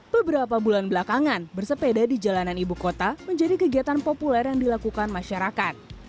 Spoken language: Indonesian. beberapa bulan belakangan bersepeda di jalanan ibu kota menjadi kegiatan populer yang dilakukan masyarakat